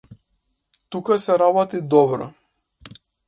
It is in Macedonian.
Тука се работи добро.